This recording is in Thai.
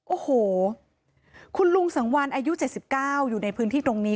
โอ้โหคุณลุงสังวันอายุ๗๙อยู่ในพื้นที่ตรงนี้